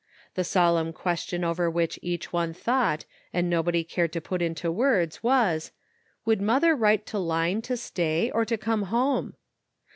The solemn question over which each one thought and nobody cared to put into words was, Would mother write to Line to stay, or to come home?